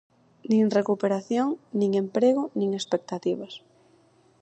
Nin recuperación, nin emprego, nin expectativas.